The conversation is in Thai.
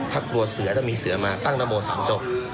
ถ้ากลัวเสือถ้ามีเสือมาตั้งนโม๓จบ